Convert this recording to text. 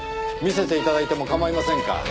見せて頂いても構いませんか？